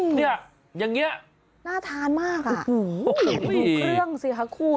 เฮ้ยอย่างเงี้ยอ๋อหูดูเครื่องสิคะคุณ